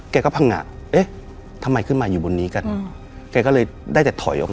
แกนะคะว้างงะเอ๊ะทำไมขึ้นมาอยู่บนนี้กัน